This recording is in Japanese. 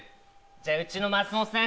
じゃあうちの松本さん